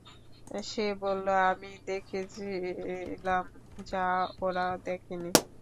সে বলল, আমি দেখেছিলাম যা ওরা দেখেনি।